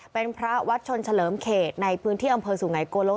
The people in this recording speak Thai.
เป็นพระวัดชนเฉลิมเขตในพื้นที่อำเภอสุไงโกลก